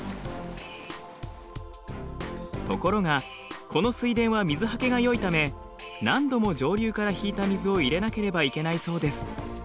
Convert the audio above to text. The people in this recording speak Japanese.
ところがこの水田は水はけがよいため何度も上流から引いた水を入れなければいけないそうです。